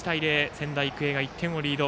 仙台育英が１点をリード。